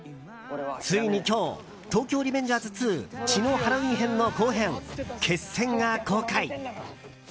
ついに今日「東京リベンジャーズ２血のハロウィン編」の後編「‐決戦‐」が公開。